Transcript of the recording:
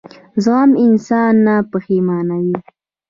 زغم انسان نه پښېمانوي.